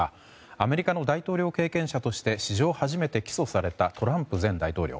アメリカの大統領経験者として史上初めて起訴されたトランプ前大統領。